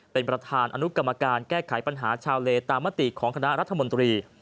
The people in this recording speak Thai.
เป็นประธานอนุกรรมการแก้ไขปัญหาชาวเลตามมติของคณะรัฐมนตรี